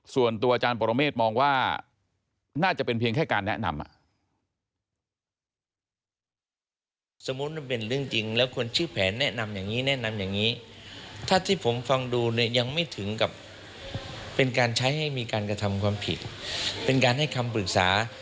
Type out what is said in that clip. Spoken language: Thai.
ส่วนตัวอาจารย์ปรเมฆมองว่าน่าจะเป็นเพียงแค่การแนะนำ